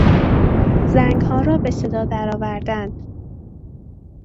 زنگها را به صدا درآوردن